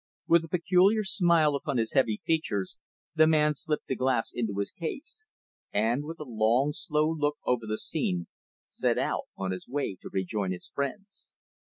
With a peculiar smile upon his heavy features, the man slipped the glass into its case, and, with a long, slow look over the scene, set out on his way to rejoin his friends.